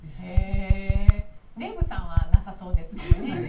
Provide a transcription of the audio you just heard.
デーブさんはなさそうですけどね。